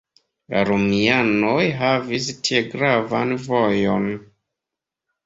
La romianoj havis tie gravan vojon.